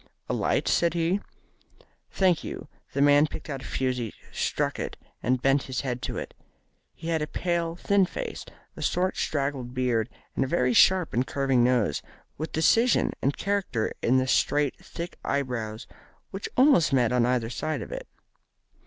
"A light?" said he. "Thank you." The man picked out a fusee, struck it, and bent his head to it. He had a pale, thin face, a short straggling beard, and a very sharp and curving nose, with decision and character in the straight thick eyebrows which almost met on either side of it.